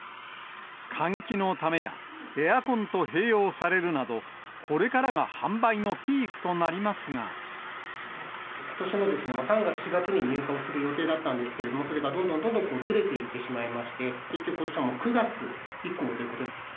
換気のためや、エアコンと併用されるなど、これからが販売のピークとなりまことしの３月、４月に入荷をする予定だったんですけれども、それがどんどんどんどんずれていってしまいまして、結局ことしは９月以降ということで。